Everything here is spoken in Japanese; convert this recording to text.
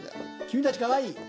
君たちかわいいよ。